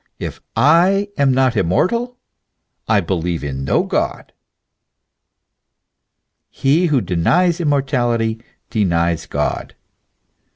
If I am not immortal, I believe in no God ; he who denies immortality, denies God.